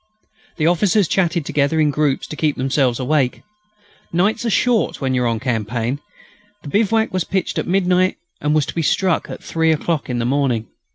The officers chatted together in groups to keep themselves awake. Nights are short when you are on campaign. The bivouac was pitched at midnight and was to be struck at three o'clock in the morning.